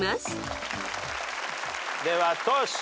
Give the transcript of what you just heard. ではトシ。